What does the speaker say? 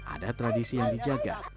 ada tradisi yang dijaga